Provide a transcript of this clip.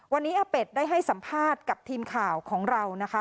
วันนี้อาเป็ดได้ให้สัมภาษณ์กับทีมข่าวของเรานะคะ